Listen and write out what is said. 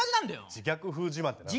自虐風自慢って何だよ。